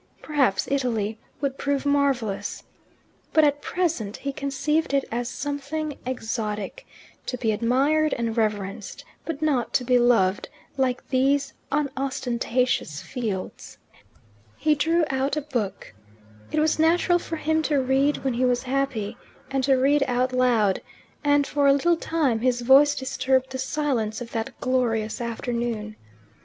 Perhaps Italy would prove marvellous. But at present he conceived it as something exotic, to be admired and reverenced, but not to be loved like these unostentatious fields. He drew out a book, it was natural for him to read when he was happy, and to read out loud, and for a little time his voice disturbed the silence of that glorious afternoon.